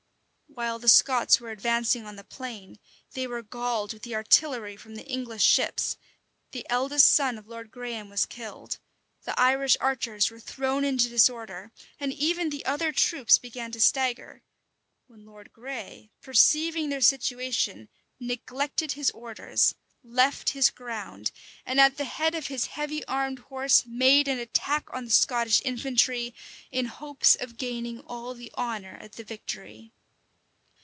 While the Scots were advancing on the plain, they were galled with the artillery from the English ships: the eldest son of Lord Graham was killed: the Irish archers were thrown into disorder; and even the other troops began to stagger; when Lord Grey, perceiving their situation, neglected his orders, left his ground, and at the head of his heavy armed horse made an attack on the Scottish infantry, in hopes of gaining all the honor of the victory.